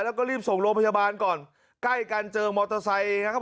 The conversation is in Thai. แล้วก็รีบส่งโรงพยาบาลก่อนใกล้กันเจอมอเตอร์ไซค์นะครับ